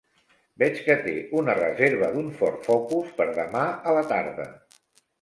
Veig que té una reserva d'un Ford Focus per demà a la tarda.